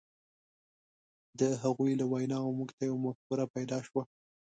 د هغوی له ویناوو موږ ته یوه مفکوره پیدا شوه.